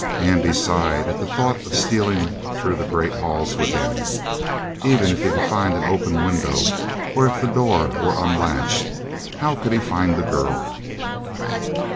Andy sighed at the thought of stealing through the great halls within. Even if he could find an open window, or if the door were unlatched, how could he find the girl?